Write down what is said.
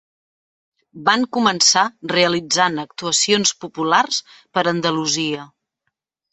Van començar realitzant actuacions populars per Andalusia.